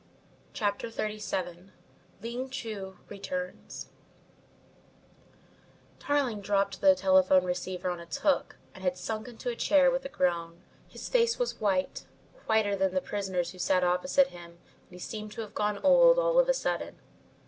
CHAPTER XXXVII LING CHU RETURNS Tarling dropped the telephone receiver on its hook and had sunk into a chair with a groan. His face was white whiter than the prisoner's who sat opposite him, and he seemed to have gone old all of a sudden.